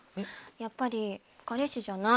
やっぱり彼氏じゃない。